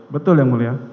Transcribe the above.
betul yang mulia